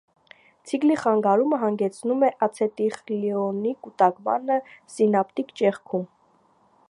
Ցիկլի խանգարումը հանգեցնում է ացետիլխոլինի կուտակմանը սինապտիկ ճեղքում։